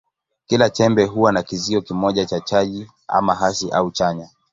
Kila chembe huwa na kizio kimoja cha chaji, ama hasi au chanya.